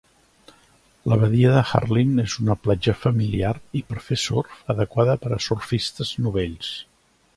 La badia de Harlyn és una platja familiar i per fer surf, adequada per a surfistes novells.